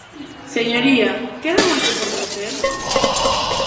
Señoría, ¿queda moito por facer?